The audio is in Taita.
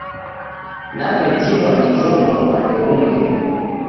Naw'ejighwa ni chongo mpande ghumweri